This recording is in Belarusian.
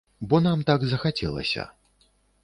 Бо нам так захацелася.